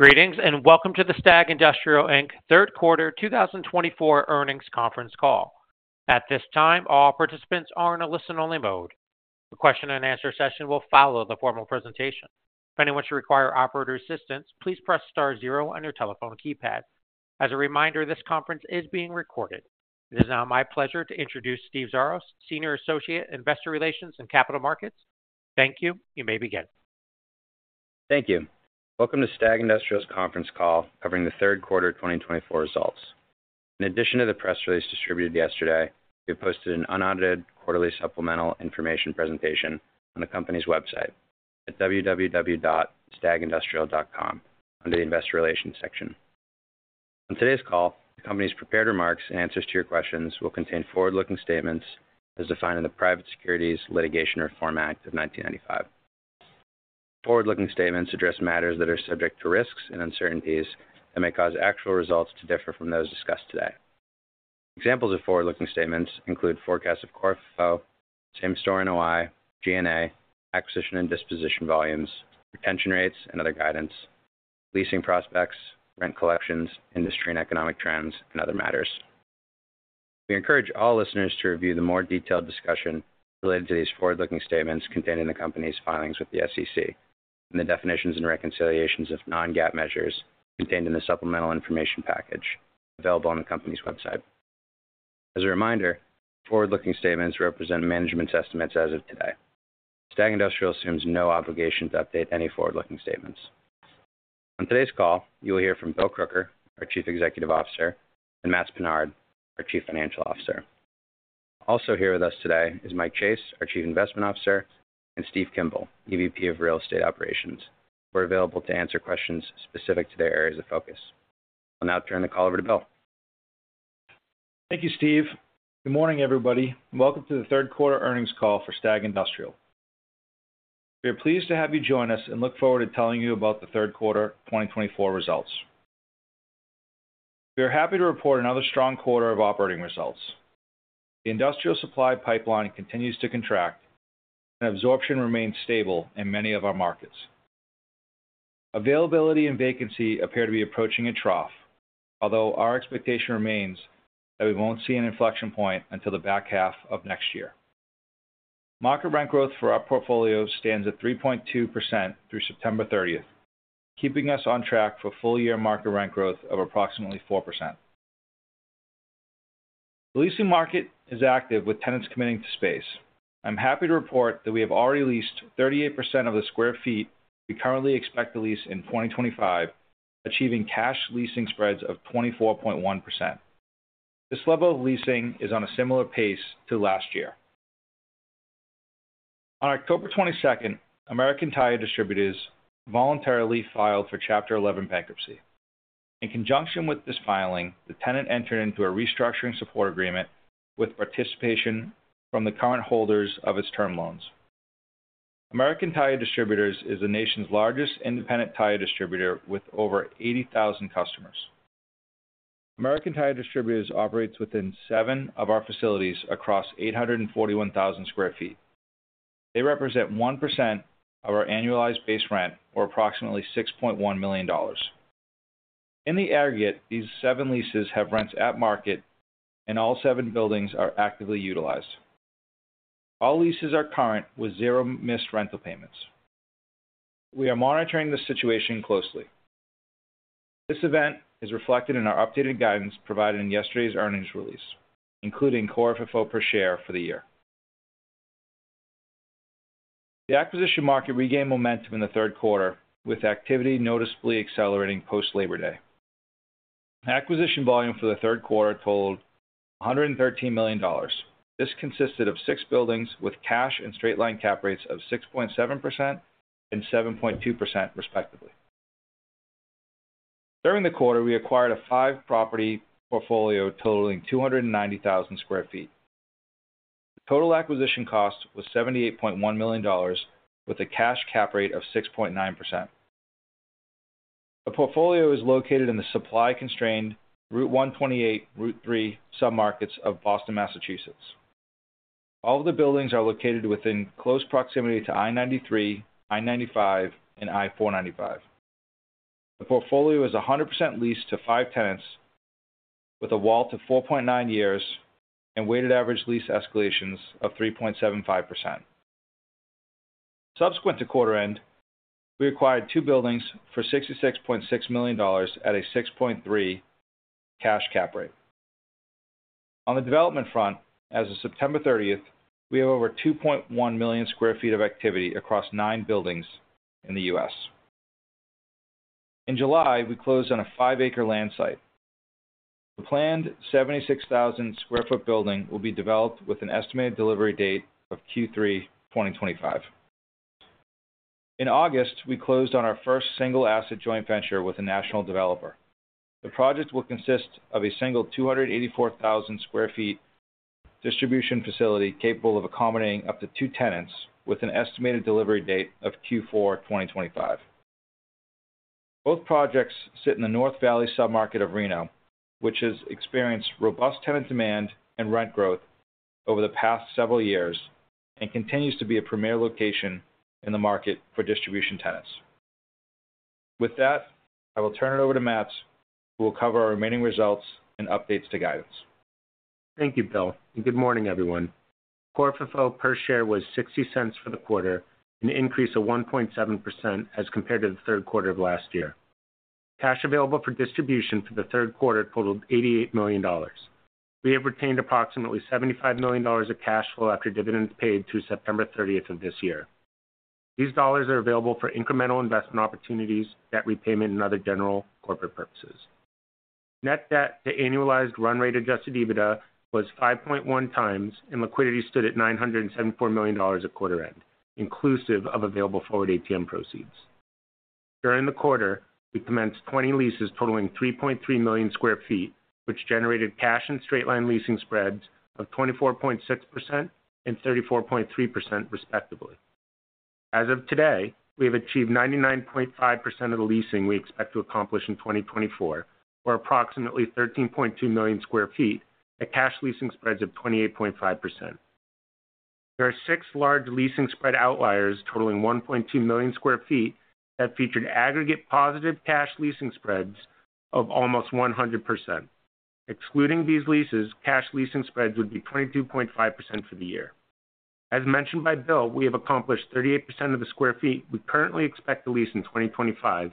Greetings and welcome to the STAG Industrial Inc. Third Quarter 2024 Earnings Conference Call. At this time, all participants are in a listen-only mode. The question and answer session will follow the formal presentation. If anyone should require operator assistance, please press star zero on your telephone keypad. As a reminder, this conference is being recorded. It is now my pleasure to introduce Steve Zaros, Senior Associate Investor Relations and Capital Markets. Thank you. You may begin. Thank you. Welcome to STAG Industrial's conference call covering the Third Quarter 2024 results. In addition to the press release distributed yesterday, we have posted an unaudited quarterly supplemental information presentation on the company's website at www.stagindustrial.com under the Investor Relations section. On today's call, the company's prepared remarks and answers to your questions will contain forward-looking statements as defined in the Private Securities Litigation Reform Act of 1995. Forward-looking statements address matters that are subject to risks and uncertainties that may cause actual results to differ from those discussed today. Examples of forward-looking statements include forecasts of core FFO, same store NOI, G&A, acquisition and disposition volumes, retention rates, and other guidance, leasing prospects, rent collections, industry and economic trends, and other matters. We encourage all listeners to review the more detailed discussion related to these forward-looking statements contained in the company's filings with the SEC and the definitions and reconciliations of non-GAAP measures contained in the supplemental information package available on the company's website. As a reminder, forward-looking statements represent management's estimates as of today. STAG Industrial assumes no obligation to update any forward-looking statements. On today's call, you will hear from Bill Crooker, our Chief Executive Officer, and Matts Pinard, our Chief Financial Officer. Also here with us today is Mike Chase, our Chief Investment Officer, and Steve Kimball, EVP of Real Estate Operations, who are available to answer questions specific to their areas of focus. I'll now turn the call over to Bill. Thank you, Steve. Good morning, everybody. Welcome to the Third Quarter Earnings Call for STAG Industrial. We are pleased to have you join us and look forward to telling you about the Third Quarter 2024 results. We are happy to report another strong quarter of operating results. The industrial supply pipeline continues to contract, and absorption remains stable in many of our markets. Availability and vacancy appear to be approaching a trough, although our expectation remains that we won't see an inflection point until the back half of next year. Market rent growth for our portfolio stands at 3.2% through September 30th, keeping us on track for full-year market rent growth of approximately 4%. The leasing market is active with tenants committing to space. I'm happy to report that we have already leased 38% of the sq ft we currently expect to lease in 2025, achieving cash leasing spreads of 24.1%. This level of leasing is on a similar pace to last year. On October 22nd, American Tire Distributors voluntarily filed for Chapter 11 bankruptcy. In conjunction with this filing, the tenant entered into a restructuring support agreement with participation from the current holders of its term loans. American Tire Distributors is the nation's largest independent tire distributor with over 80,000 customers. American Tire Distributors operates within seven of our facilities across 841,000 sq ft. They represent 1% of our annualized base rent, or approximately $6.1 million. In the aggregate, these seven leases have rents at market, and all seven buildings are actively utilized. All leases are current with zero missed rental payments. We are monitoring the situation closely. This event is reflected in our updated guidance provided in yesterday's earnings release, including core FFO per share for the year. The acquisition market regained momentum in the third quarter, with activity noticeably accelerating post-Labor Day. Acquisition volume for the third quarter totaled $113 million. This consisted of six buildings with cash and straight-line cap rates of 6.7% and 7.2%, respectively. During the quarter, we acquired a five-property portfolio totaling 290,000 sq ft. The total acquisition cost was $78.1 million, with a cash cap rate of 6.9%. The portfolio is located in the supply-constrained Route 128, Route 3 submarkets of Boston, Massachusetts. All of the buildings are located within close proximity to I-93, I-95, and I-495. The portfolio is 100% leased to five tenants, with a WALT of 4.9 years and weighted average lease escalations of 3.75%. Subsequent to quarter-end, we acquired two buildings for $66.6 million at a 6.3% cash cap rate. On the development front, as of September 30th, we have over 2.1 million sq ft of activity across nine buildings in the U.S. In July, we closed on a five-acre land site. The planned 76,000 sq ft building will be developed with an estimated delivery date of Q3 2025. In August, we closed on our first single-asset joint venture with a national developer. The project will consist of a single 284,000 sq ft distribution facility capable of accommodating up to two tenants, with an estimated delivery date of Q4 2025. Both projects sit in the North Valley submarket of Reno, which has experienced robust tenant demand and rent growth over the past several years and continues to be a premier location in the market for distribution tenants. With that, I will turn it over to Matts, who will cover our remaining results and updates to guidance. Thank you, Bill. Good morning, everyone. Core FFO per share was $0.60 for the quarter, an increase of 1.7% as compared to the third quarter of last year. Cash Available for Distribution for the third quarter totaled $88 million. We have retained approximately $75 million of cash flow after dividends paid through September 30th of this year. These dollars are available for incremental investment opportunities, debt repayment, and other general corporate purposes. Net Debt to Annualized Run Rate Adjusted EBITDA was 5.1 times, and liquidity stood at $974 million at quarter-end, inclusive of available forward ATM proceeds. During the quarter, we commenced 20 leases totaling 3.3 million sq ft, which generated Cash and Straight-Line Leasing Spreads of 24.6% and 34.3%, respectively. As of today, we have achieved 99.5% of the leasing we expect to accomplish in 2024, or approximately 13.2 million sq ft at cash leasing spreads of 28.5%. There are six large leasing spread outliers totaling 1.2 million sq ft that featured aggregate positive cash leasing spreads of almost 100%. Excluding these leases, cash leasing spreads would be 22.5% for the year. As mentioned by Bill, we have accomplished 38% of the sq ft we currently expect to lease in 2025,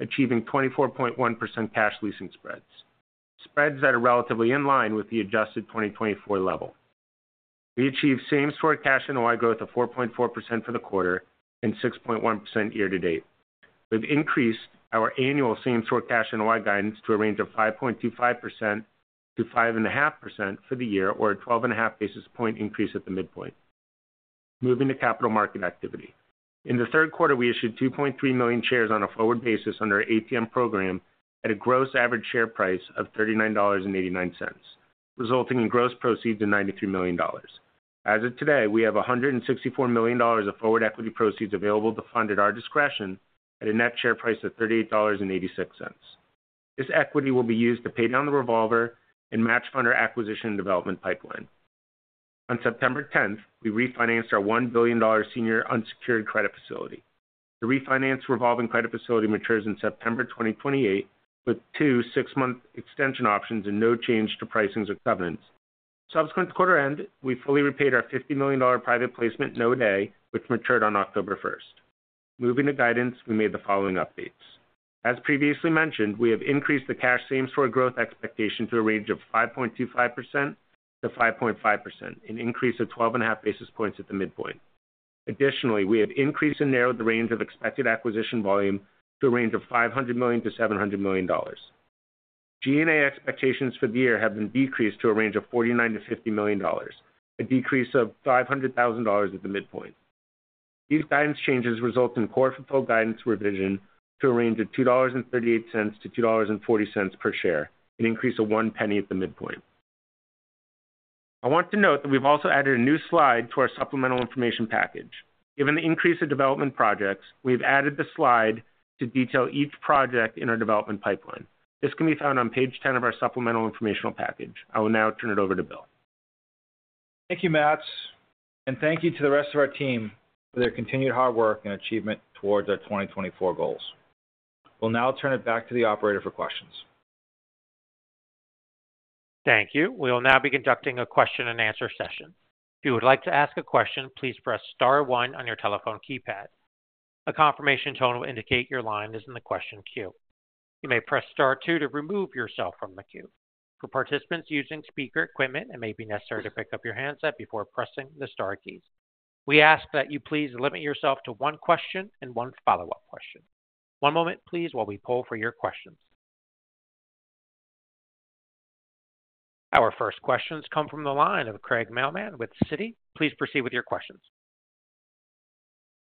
achieving 24.1% cash leasing spreads, spreads that are relatively in line with the adjusted 2024 level. We achieved same store cash NOI growth of 4.4% for the quarter and 6.1% year to date. We've increased our annual same store cash NOI guidance to a range of 5.25% to 5.5% for the year, or a 12.5 basis point increase at the midpoint. Moving to capital market activity. In the third quarter, we issued 2.3 million shares on a forward basis under our ATM program at a gross average share price of $39.89, resulting in gross proceeds of $93 million. As of today, we have $164 million of forward equity proceeds available to fund at our discretion at a net share price of $38.86. This equity will be used to pay down the revolver and match fund our acquisition and development pipeline. On September 10th, we refinanced our $1 billion senior unsecured credit facility. The refinanced revolving credit facility matures in September 2028 with two six-month extension options and no change to pricings or covenants. Subsequent to quarter-end, we fully repaid our $50 million private placement note, which matured on October 1st. Moving to guidance, we made the following updates. As previously mentioned, we have increased the cash same store growth expectation to a range of 5.25%-5.5%, an increase of 12.5 basis points at the midpoint. Additionally, we have increased and narrowed the range of expected acquisition volume to a range of $500-$700 million. G&A expectations for the year have been decreased to a range of $49-$50 million, a decrease of $500,000 at the midpoint. These guidance changes result in core FFO guidance revision to a range of $2.38-$2.40 per share, an increase of $0.01 at the midpoint. I want to note that we've also added a new slide to our supplemental information package. Given the increase of development projects, we've added the slide to detail each project in our development pipeline. This can be found on page 10 of our supplemental informational package. I will now turn it over to Bill. Thank you, Matts, and thank you to the rest of our team for their continued hard work and achievement towards our 2024 goals. We'll now turn it back to the operator for questions. Thank you. We will now be conducting a question and answer session. If you would like to ask a question, please press star one on your telephone keypad. A confirmation tone will indicate your line is in the question queue. You may press star two to remove yourself from the queue. For participants using speaker equipment, it may be necessary to pick up your handset before pressing the star keys. We ask that you please limit yourself to one question and one follow-up question. One moment, please, while we poll for your questions. Our first questions come from the line of Craig Craig Mailman with Citi. Please proceed with your questions.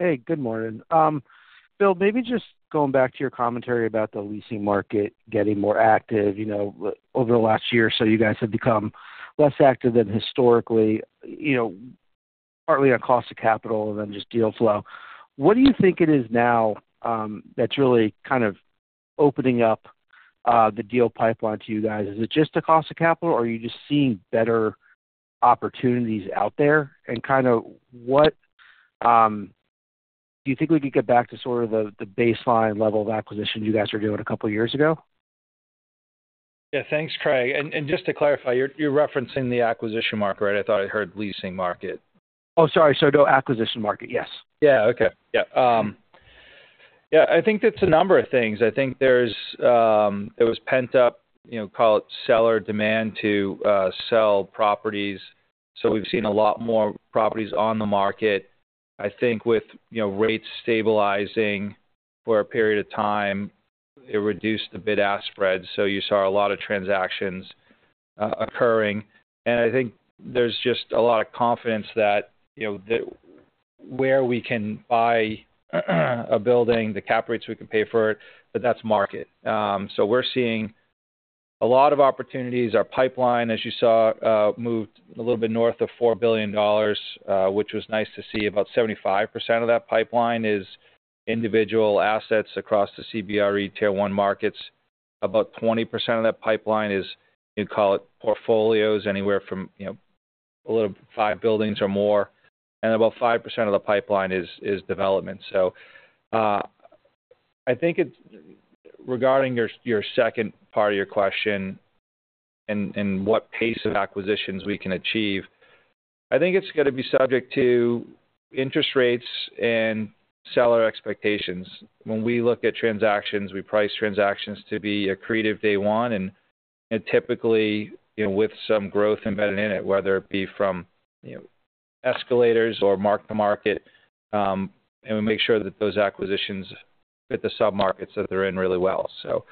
Hey, good morning. Bill, maybe just going back to your commentary about the leasing market getting more active. Over the last year, you guys have become less active than historically, partly on cost of capital and then just deal flow. What do you think it is now that's really kind of opening up the deal pipeline to you guys? Is it just the cost of capital, or are you just seeing better opportunities out there? And kind of what do you think we could get back to sort of the baseline level of acquisition you guys were doing a couple of years ago? Yeah, thanks, Craig. And just to clarify, you're referencing the acquisition market, right? I thought I heard leasing market. Oh, sorry. So no acquisition market, yes. Yeah, okay. Yeah. Yeah, I think it's a number of things. I think there was pent-up, call it seller demand to sell properties. So we've seen a lot more properties on the market. I think with rates stabilizing for a period of time, it reduced the bid-ask spreads. So you saw a lot of transactions occurring. And I think there's just a lot of confidence that where we can buy a building, the cap rates we can pay for it, that that's market. So we're seeing a lot of opportunities. Our pipeline, as you saw, moved a little bit north of $4 billion, which was nice to see. About 75% of that pipeline is individual assets across the CBRE Tier One Markets. About 20% of that pipeline is, you call it portfolios, anywhere from a little five buildings or more. And about 5% of the pipeline is development. So I think regarding your second part of your question and what pace of acquisitions we can achieve, I think it's going to be subject to interest rates and seller expectations. When we look at transactions, we price transactions to be accretive day one. And typically, with some growth embedded in it, whether it be from escalators or mark-to-market, and we make sure that those acquisitions fit the submarkets that they're in really well. So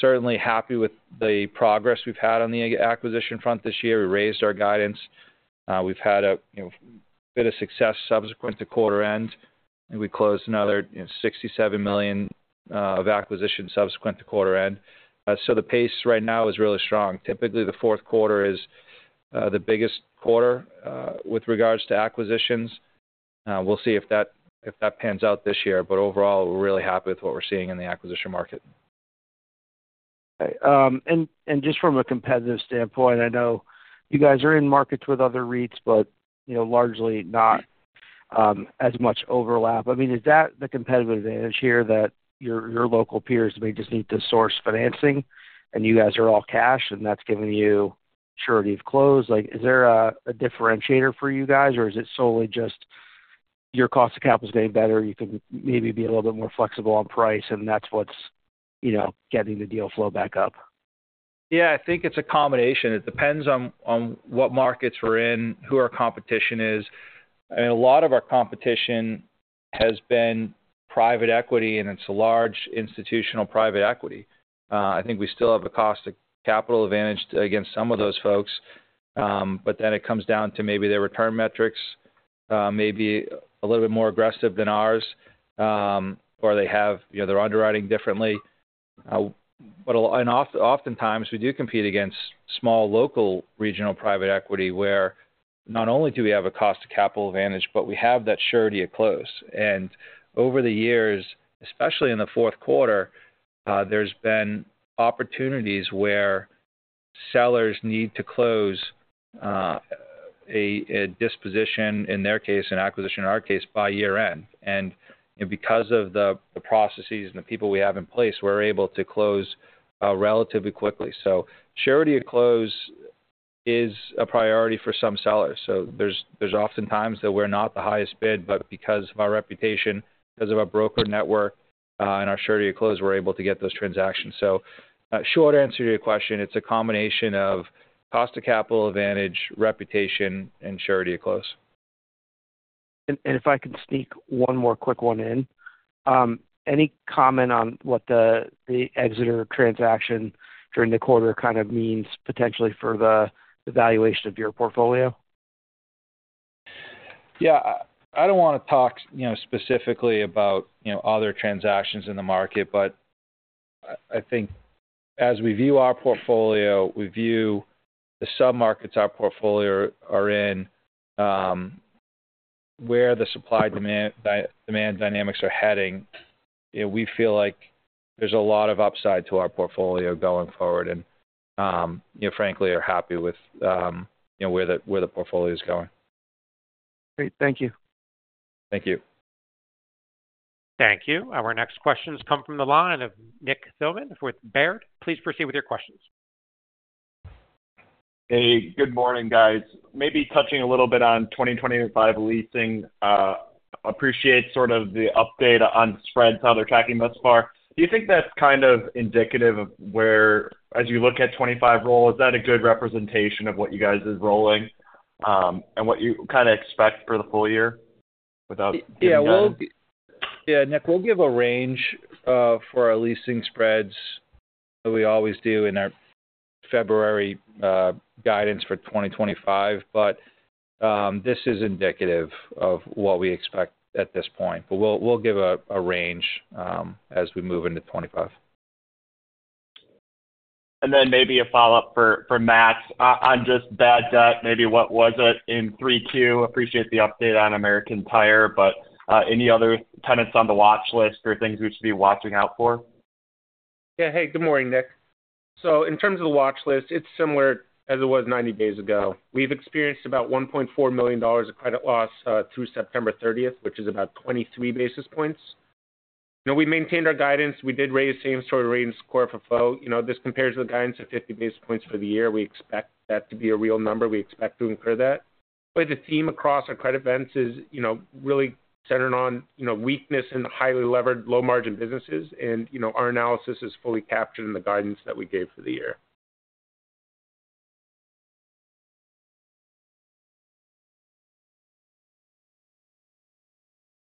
certainly happy with the progress we've had on the acquisition front this year. We raised our guidance. We've had a bit of success subsequent to quarter-end. I think we closed another $67 million of acquisitions subsequent to quarter-end. So the pace right now is really strong. Typically, the fourth quarter is the biggest quarter with regards to acquisitions. We'll see if that pans out this year. But overall, we're really happy with what we're seeing in the acquisition market. And just from a competitive standpoint, I know you guys are in markets with other REITs, but largely not as much overlap. I mean, is that the competitive advantage here that your local peers may just need to source financing, and you guys are all cash, and that's giving you surety of close? Is there a differentiator for you guys, or is it solely just your cost of capital is getting better, you can maybe be a little bit more flexible on price, and that's what's getting the deal flow back up? Yeah, I think it's a combination. It depends on what markets we're in, who our competition is. I mean, a lot of our competition has been private equity, and it's a large institutional private equity. I think we still have a cost of capital advantage against some of those folks. But then it comes down to maybe their return metrics, maybe a little bit more aggressive than ours, or they have their underwriting differently. But oftentimes, we do compete against small local regional private equity where not only do we have a cost of capital advantage, but we have that surety of close. And over the years, especially in the fourth quarter, there's been opportunities where sellers need to close a disposition, in their case, an acquisition in our case, by year-end. And because of the processes and the people we have in place, we're able to close relatively quickly. Surety of close is a priority for some sellers. There's oftentimes that we're not the highest bid, but because of our reputation, because of our broker network and our surety of close, we're able to get those transactions. Short answer to your question, it's a combination of cost of capital advantage, reputation, and surety of close. If I can sneak one more quick one in, any comment on what the exit or transaction during the quarter kind of means potentially for the valuation of your portfolio? Yeah, I don't want to talk specifically about other transactions in the market, but I think as we view our portfolio, we view the submarkets our portfolio are in, where the supply-demand dynamics are heading, we feel like there's a lot of upside to our portfolio going forward, and frankly, we're happy with where the portfolio is going. Great. Thank you. Thank you. Thank you. Our next questions come from the line of Nick Nick Thillman with Baird. Please proceed with your questions. Hey, good morning, guys. Maybe touching a little bit on 2025 leasing. Appreciate sort of the update on spreads how they're tracking thus far. Do you think that's kind of indicative of where, as you look at 2025 roll, is that a good representation of what you guys are rolling and what you kind of expect for the full year without being? Yeah, Nick, we'll give a range for our leasing spreads that we always do in our February guidance for 2025. But this is indicative of what we expect at this point. But we'll give a range as we move into 2025. Then maybe a follow-up for Matts on just bad debt, maybe what was it in 3Q? Appreciate the update on American Tire, but any other tenants on the watch list or things we should be watching out for? Yeah. Hey, good morning, Nick. So in terms of the watch list, it's similar as it was 90 days ago. We've experienced about $1.4 million of credit loss through September 30th, which is about 23 basis points. We maintained our guidance. We did raise same store rating score for FFO. This compares the guidance to 50 basis points for the year. We expect that to be a real number. We expect to incur that. But the theme across our credit events is really centered on weakness in highly levered, low-margin businesses. And our analysis is fully captured in the guidance that we gave for the year.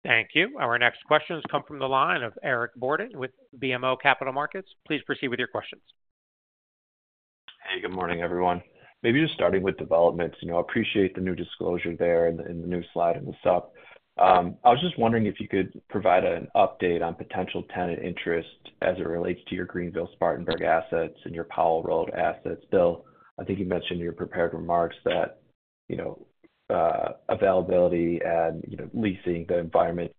Thank you. Our next questions come from the line of Eric Borden with BMO Capital Markets. Please proceed with your questions. Hey, good morning, everyone. Maybe just starting with developments. I appreciate the new disclosure there and the new slide and the sub. I was just wondering if you could provide an update on potential tenant interest as it relates to your Greenville-Spartanburg assets and your Powell Road assets. Bill, I think you mentioned in your prepared remarks that availability and leasing, the environment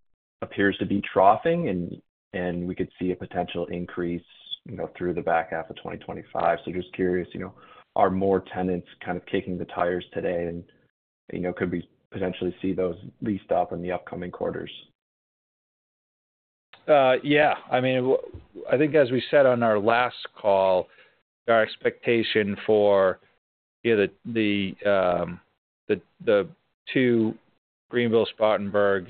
appears to be troughing, and we could see a potential increase through the back half of 2025. So just curious, are more tenants kind of kicking the tires today? And could we potentially see those leased up in the upcoming quarters? Yeah. I mean, I think as we said on our last call, our expectation for the two Greenville-Spartanburg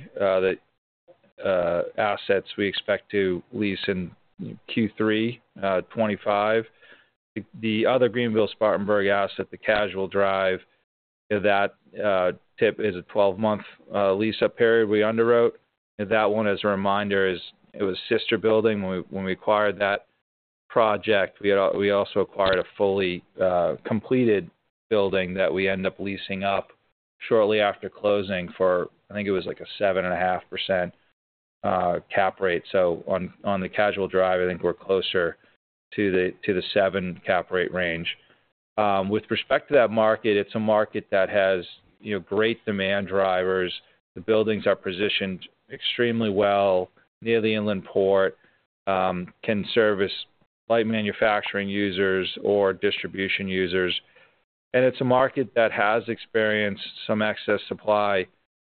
assets, we expect to lease in Q3 2025. The other Greenville-Spartanburg asset, the Casual Drive, that type is a 12-month lease-up period we underwrote. That one, as a reminder, it was sister building. When we acquired that project, we also acquired a fully completed building that we ended up leasing up shortly after closing for, I think it was like a 7.5% cap rate. So on the Casual Drive, I think we're closer to the 7% cap rate range. With respect to that market, it's a market that has great demand drivers. The buildings are positioned extremely well near the Inland Port, can service light manufacturing users or distribution users. And it's a market that has experienced some excess supply.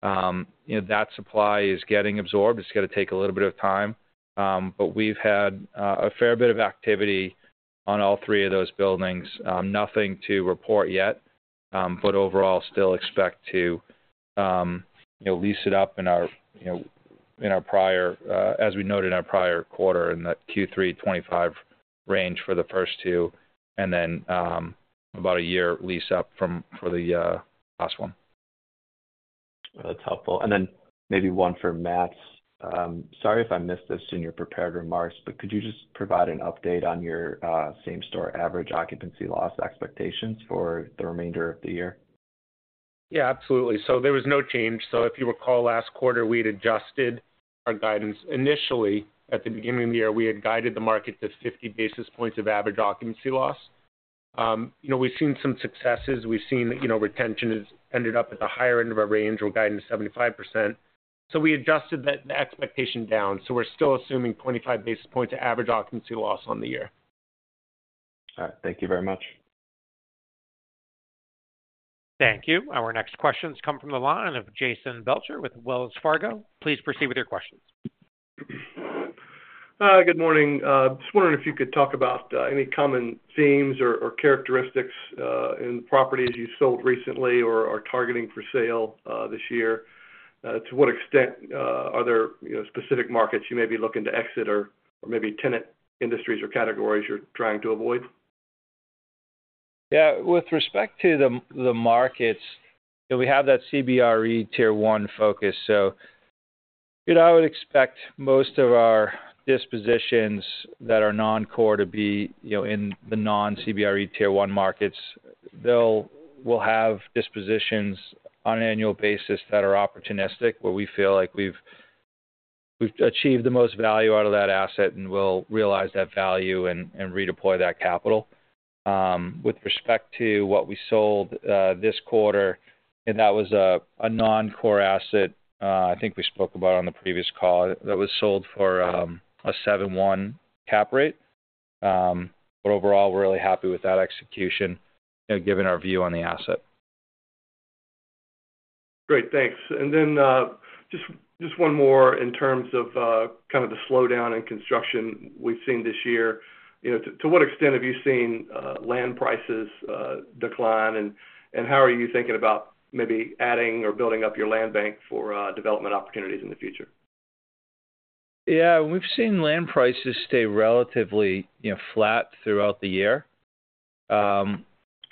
That supply is getting absorbed. It's going to take a little bit of time, but we've had a fair bit of activity on all three of those buildings. Nothing to report yet, but overall, still expect to lease it up in our prior, as we noted in our prior quarter, in the Q3 2025 range for the first two, and then about a year lease-up for the last one. That's helpful, and then maybe one for Matts. Sorry if I missed this in your prepared remarks, but could you just provide an update on your same store average occupancy loss expectations for the remainder of the year? Yeah, absolutely. So there was no change. So if you recall, last quarter, we had adjusted our guidance. Initially, at the beginning of the year, we had guided the market to 50 basis points of average occupancy loss. We've seen some successes. We've seen retention has ended up at the higher end of our range or guidance of 75%. So we adjusted the expectation down. So we're still assuming 25 basis points of average occupancy loss on the year. All right. Thank you very much. Thank you. Our next questions come from the line of Jason Belcher with Wells Fargo. Please proceed with your questions. Good morning. Just wondering if you could talk about any common themes or characteristics in properties you sold recently or are targeting for sale this year. To what extent are there specific markets you may be looking to exit or maybe tenant industries or categories you're trying to avoid? Yeah. With respect to the markets, we have that CBRE Tier One focus. So I would expect most of our dispositions that are non-core to be in the non-CBRE Tier One markets. We'll have dispositions on an annual basis that are opportunistic, where we feel like we've achieved the most value out of that asset and will realize that value and redeploy that capital. With respect to what we sold this quarter, that was a non-core asset. I think we spoke about on the previous call that was sold for a 7.1 cap rate. But overall, we're really happy with that execution given our view on the asset. Great. Thanks, and then just one more in terms of kind of the slowdown in construction we've seen this year. To what extent have you seen land prices decline, and how are you thinking about maybe adding or building up your land bank for development opportunities in the future? Yeah. We've seen land prices stay relatively flat throughout the year.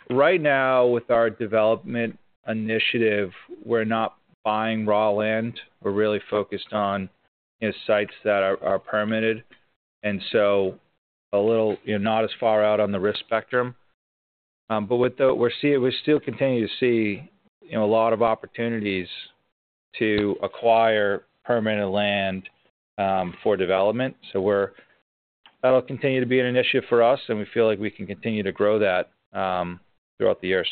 Right now, with our development initiative, we're not buying raw land. We're really focused on sites that are permitted, and so a little not as far out on the risk spectrum, but we still continue to see a lot of opportunities to acquire permanent land for development, so that'll continue to be an issue for us, and we feel like we can continue to grow that throughout the years.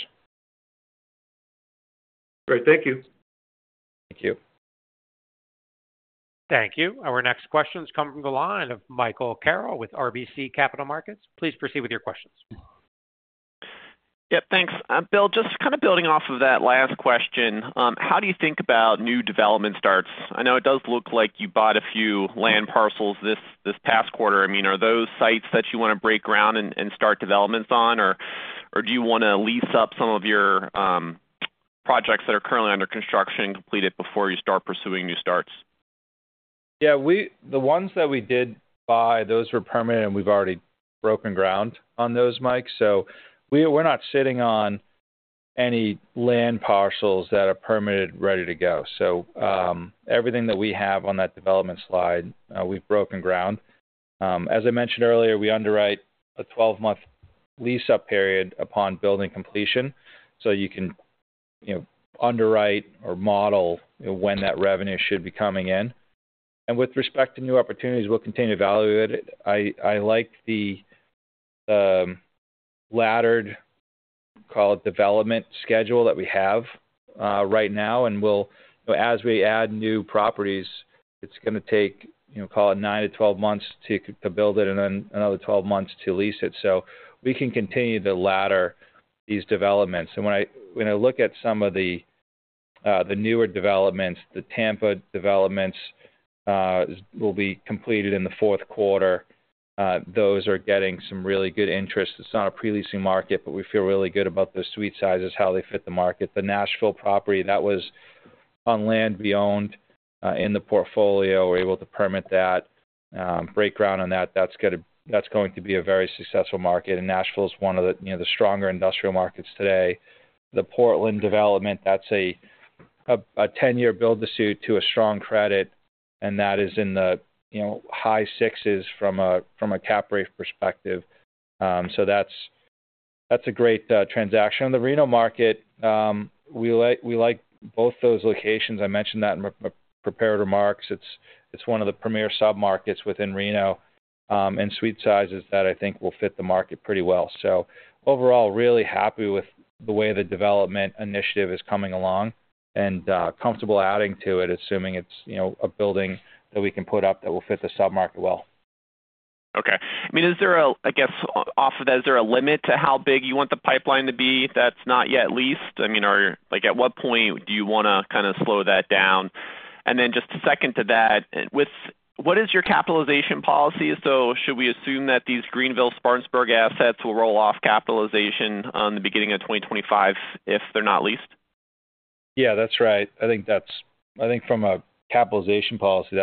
Great. Thank you. Thank you. Thank you. Our next questions come from the line of Michael Carroll with RBC Capital Markets. Please proceed with your questions. Yeah. Thanks. Bill, just kind of building off of that last question, how do you think about new development starts? I know it does look like you bought a few land parcels this past quarter. I mean, are those sites that you want to break ground and start developments on, or do you want to lease up some of your projects that are currently under construction and complete it before you start pursuing new starts? Yeah. The ones that we did buy, those were permanent, and we've already broken ground on those, Mike. So we're not sitting on any land parcels that are permitted ready to go. So everything that we have on that development slide, we've broken ground. As I mentioned earlier, we underwrite a 12-month lease-up period upon building completion. So you can underwrite or model when that revenue should be coming in. And with respect to new opportunities, we'll continue to value it. I like the laddered, call it development schedule that we have right now. And as we add new properties, it's going to take, call it nine to 12 months to build it and then another 12 months to lease it. So we can continue to ladder these developments. And when I look at some of the newer developments, the Tampa developments will be completed in the fourth quarter. Those are getting some really good interest. It's not a pre-leasing market, but we feel really good about the suite sizes, how they fit the market. The Nashville property, that was on land we owned in the portfolio. We're able to permit that, break ground on that. That's going to be a very successful market, and Nashville is one of the stronger industrial markets today. The Portland development, that's a 10-year build-to-suit to a strong credit, and that is in the high sixes from a cap rate perspective, so that's a great transaction. The Reno market, we like both those locations. I mentioned that in my prepared remarks. It's one of the premier submarkets within Reno and suite sizes that I think will fit the market pretty well. So overall, really happy with the way the development initiative is coming along and comfortable adding to it, assuming it's a building that we can put up that will fit the submarket well. Okay. I mean, is there a, I guess, off of that, is there a limit to how big you want the pipeline to be that's not yet leased? I mean, at what point do you want to kind of slow that down? And then just second to that, what is your capitalization policy? So should we assume that these Greenville-Spartanburg assets will roll off capitalization in the beginning of 2025 if they're not leased? Yeah, that's right. I think from a capitalization policy,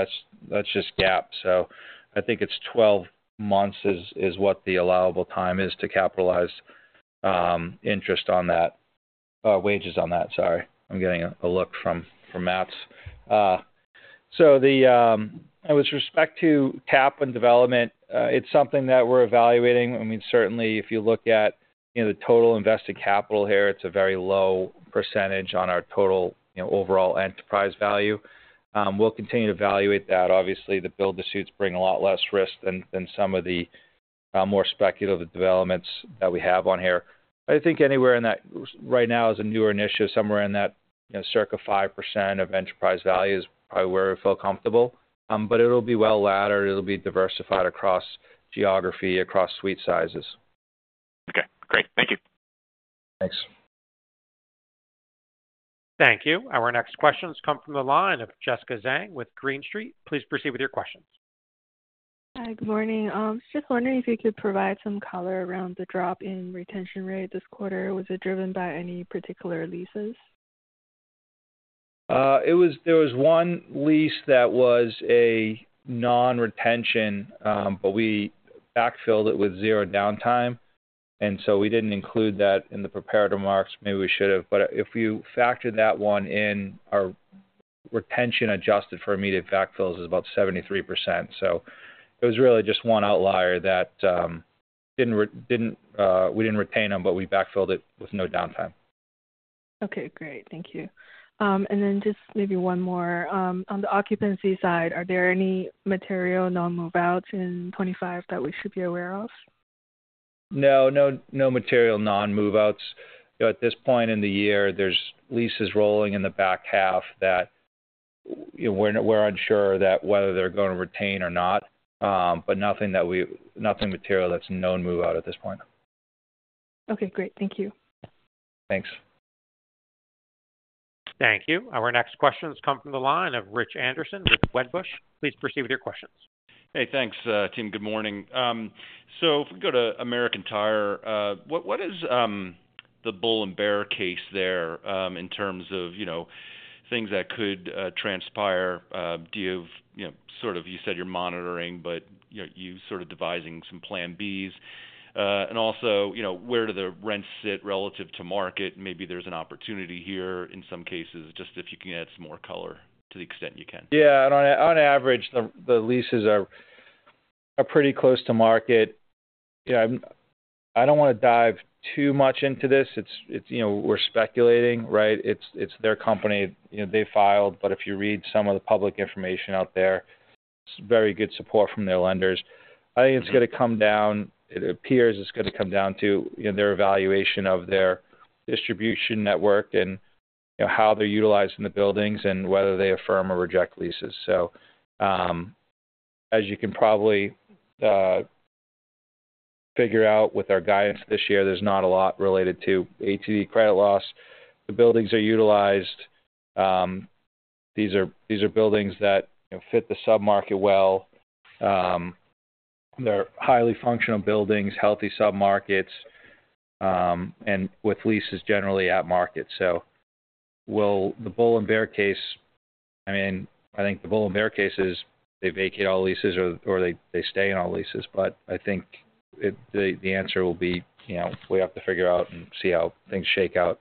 that's just GAAP. So I think it's 12 months is what the allowable time is to capitalize interest on that, wages on that. Sorry. I'm getting a look from Matts. So with respect to CapEx and development, it's something that we're evaluating. I mean, certainly, if you look at the total invested capital here, it's a very low percentage on our total overall enterprise value. We'll continue to evaluate that. Obviously, the build-to-suits bring a lot less risk than some of the more speculative developments that we have on here. I think anywhere in that right now is a newer initiative. Somewhere in that circa 5% of enterprise value is probably where we feel comfortable. But it'll be well laddered. It'll be diversified across geography, across suite sizes. Okay. Great. Thank you. Thanks. Thank you. Our next questions come from the line of Jessica Zheng with Green Street. Please proceed with your questions. Hi. Good morning. Just wondering if you could provide some color around the drop in retention rate this quarter. Was it driven by any particular leases? There was one lease that was a non-retention, but we backfilled it with zero downtime. And so we didn't include that in the prepared remarks. Maybe we should have. But if you factor that one in, our retention adjusted for immediate backfills is about 73%. So it was really just one outlier that we didn't retain them, but we backfilled it with no downtime. Okay. Great. Thank you. And then just maybe one more. On the occupancy side, are there any material non-move-outs in 2025 that we should be aware of? No. No material non-move-outs. At this point in the year, there's leases rolling in the back half that we're unsure whether they're going to retain or not, but nothing material that's a known move-out at this point. Okay. Great. Thank you. Thanks. Thank you. Our next questions come from the line of Rich Anderson with Wedbush. Please proceed with your questions. Hey. Thanks, team. Good morning. So if we go to American Tire, what is the bull and bear case there in terms of things that could transpire? Do you have sort of you said you're monitoring, but you're sort of devising some plan Bs. And also, where do the rents sit relative to market? Maybe there's an opportunity here in some cases. Just if you can add some more color to the extent you can. Yeah. On average, the leases are pretty close to market. I don't want to dive too much into this. We're speculating, right? It's their company. They filed. But if you read some of the public information out there, it's very good support from their lenders. I think it's going to come down. It appears it's going to come down to their evaluation of their distribution network and how they're utilizing the buildings and whether they affirm or reject leases. So as you can probably figure out with our guidance this year, there's not a lot related to ATD credit loss. The buildings are utilized. These are buildings that fit the submarket well. They're highly functional buildings, healthy submarkets, and with leases generally at market. So the bull and bear case, I mean, I think the bull and bear cases, they vacate all leases or they stay in all leases. But I think the answer will be we have to figure out and see how things shake out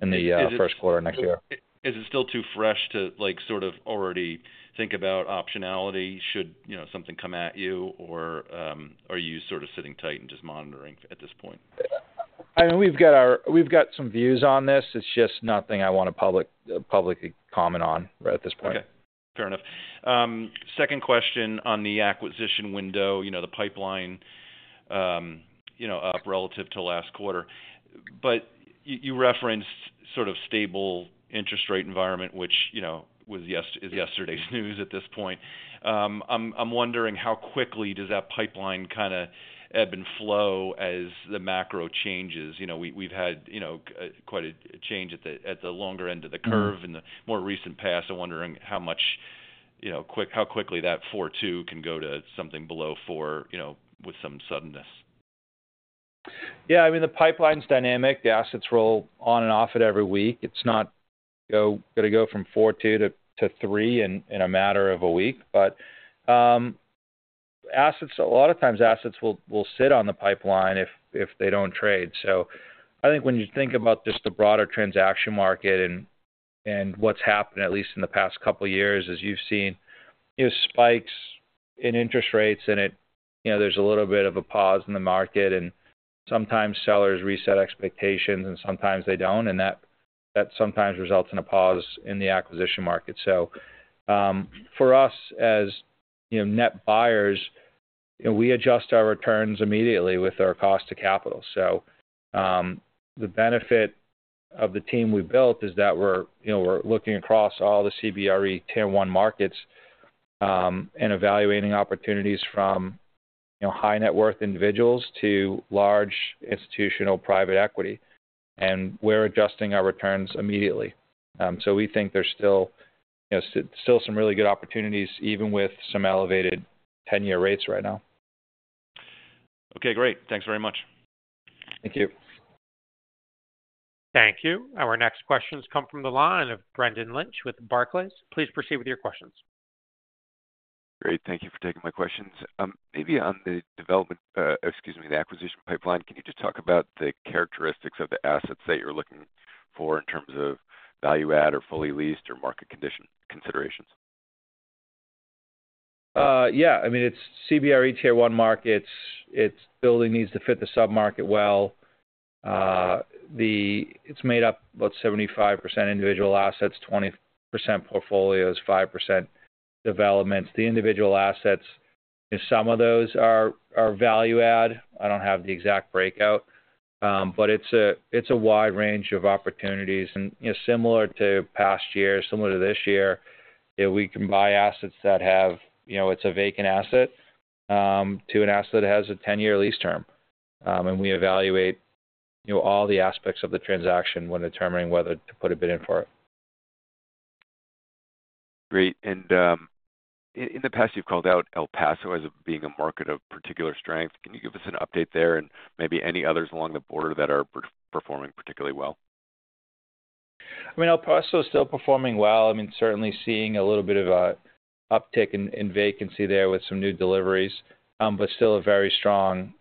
in the first quarter next year. Is it still too fresh to sort of already think about optionality should something come at you, or are you sort of sitting tight and just monitoring at this point? I mean, we've got some views on this. It's just nothing I want to publicly comment on right at this point. Okay. Fair enough. Second question on the acquisition window, the pipeline up relative to last quarter. But you referenced sort of stable interest rate environment, which is yesterday's news at this point. I'm wondering how quickly does that pipeline kind of ebb and flow as the macro changes? We've had quite a change at the longer end of the curve in the more recent past. I'm wondering how quickly that 4.2 can go to something below 4 with some suddenness. Yeah. I mean, the pipeline's dynamic. The assets roll on and off it every week. It's not going to go from 4.2-3 in a matter of a week. But a lot of times, assets will sit on the pipeline if they don't trade. So I think when you think about just the broader transaction market and what's happened, at least in the past couple of years, is you've seen spikes in interest rates, and there's a little bit of a pause in the market. And sometimes sellers reset expectations, and sometimes they don't. And that sometimes results in a pause in the acquisition market. So for us as net buyers, we adjust our returns immediately with our cost of capital. So the benefit of the team we built is that we're looking across all the CBRE Tier One Markets and evaluating opportunities from high-net-worth individuals to large institutional private equity. And we're adjusting our returns immediately. So we think there's still some really good opportunities, even with some elevated 10-year rates right now. Okay. Great. Thanks very much. Thank you. Thank you. Our next questions come from the line of Brendan Lynch with Barclays. Please proceed with your questions. Great. Thank you for taking my questions. Maybe on the development, excuse me, the acquisition pipeline, can you just talk about the characteristics of the assets that you're looking for in terms of value-add or fully leased or market condition considerations? Yeah. I mean, it's CBRE Tier One Markets. It's building needs to fit the submarket well. It's made up about 75% individual assets, 20% portfolios, 5% developments. The individual assets, some of those are value-add. I don't have the exact breakout, but it's a wide range of opportunities. And similar to past year, similar to this year, we can buy assets that have it's a vacant asset to an asset that has a 10-year lease term. And we evaluate all the aspects of the transaction when determining whether to put a bid in for it. Great. And in the past, you've called out El Paso as being a market of particular strength. Can you give us an update there and maybe any others along the border that are performing particularly well? I mean, El Paso is still performing well. I mean, certainly seeing a little bit of an uptick in vacancy there with some new deliveries, but still a very strong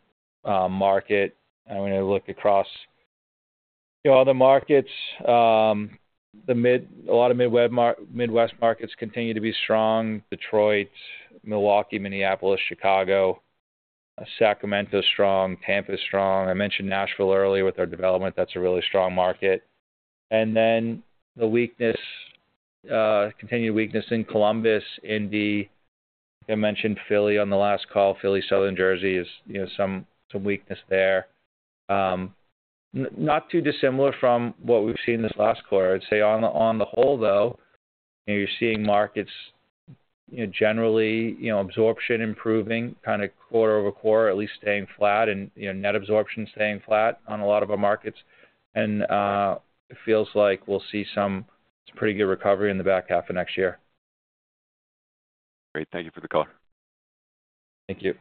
market. I mean, I look across other markets. A lot of Midwest markets continue to be strong: Detroit, Milwaukee, Minneapolis, Chicago, Sacramento strong, Tampa strong. I mentioned Nashville earlier with our development. That's a really strong market. And then the continued weakness in Columbus, Indy. I mentioned Philly on the last call. Philly, Southern Jersey is some weakness there. Not too dissimilar from what we've seen this last quarter. I'd say on the whole, though, you're seeing markets generally absorption improving kind of quarter over quarter, at least staying flat and net absorption staying flat on a lot of our markets. And it feels like we'll see some pretty good recovery in the back half of next year. Great. Thank you for the call. Thank you.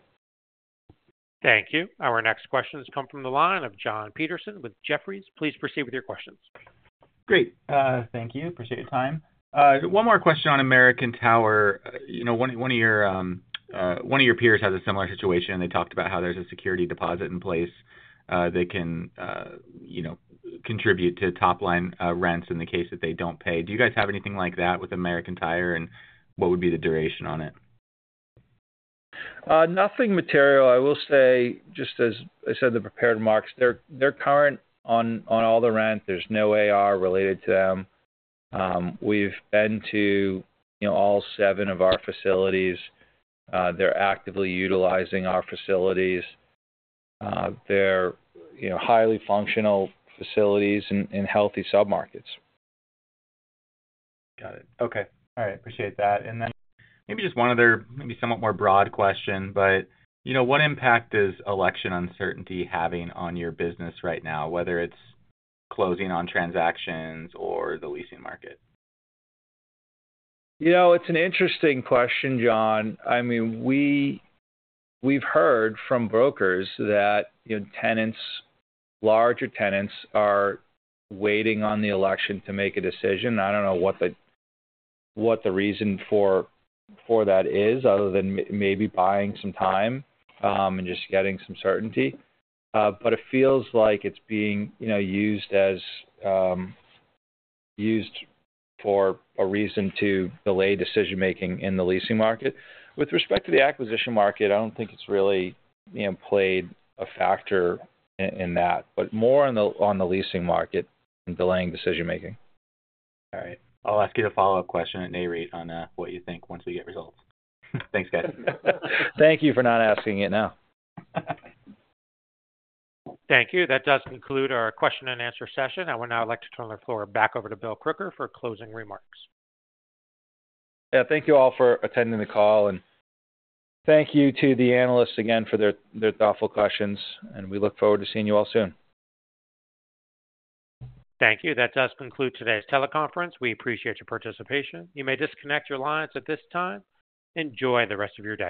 Thank you. Our next questions come from the line of John Peterson with Jefferies. Please proceed with your questions. Great. Thank you. Appreciate your time. One more question on American Tire. One of your peers has a similar situation. They talked about how there's a security deposit in place that can contribute to top-line rents in the case that they don't pay. Do you guys have anything like that with American Tire, and what would be the duration on it? Nothing material. I will say, just as I said in the prepared remarks, they're current on all the rent. There's no AR related to them. We've been to all seven of our facilities. They're actively utilizing our facilities. They're highly functional facilities in healthy submarkets. Got it. Okay. All right. Appreciate that. And then maybe just one other, maybe somewhat more broad question, but what impact is election uncertainty having on your business right now, whether it's closing on transactions or the leasing market? It's an interesting question, John. I mean, we've heard from brokers that larger tenants are waiting on the election to make a decision. I don't know what the reason for that is other than maybe buying some time and just getting some certainty. But it feels like it's being used for a reason to delay decision-making in the leasing market. With respect to the acquisition market, I don't think it's really played a factor in that, but more on the leasing market and delaying decision-making. All right. I'll ask you the follow-up question at a later date on what you think once we get results. Thanks, guys. Thank you for not asking it now. Thank you. That does conclude our question and answer session. I would now like to turn the floor back over to Bill Crooker for closing remarks. Yeah. Thank you all for attending the call. And thank you to the analysts again for their thoughtful questions. And we look forward to seeing you all soon. Thank you. That does conclude today's teleconference. We appreciate your participation. You may disconnect your lines at this time. Enjoy the rest of your day.